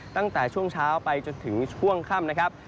ตั้งแต่ช่วงเช้าไปจนถึงช่วงค่ำนะครับ